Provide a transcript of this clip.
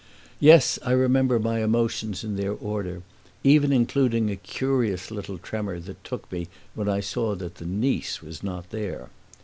Yes, I remember my emotions in their order, even including a curious little tremor that took me when I saw that the niece was not there.